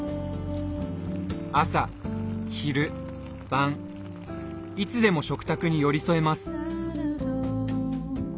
朝昼晩いつでも食卓に寄り添えます。